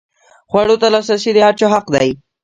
خوړو ته لاسرسی د هر چا حق دی.